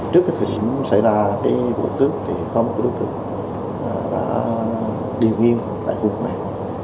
trước cái thời điểm xảy ra cái vụ tước thì không có đối tượng đã điều nghiêm tại khu vực này